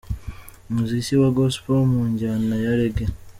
umuziki wa Gospel mu njyana ya Reggae.